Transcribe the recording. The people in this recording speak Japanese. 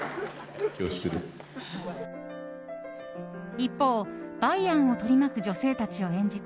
一方、梅安を取り巻く女性たちを演じた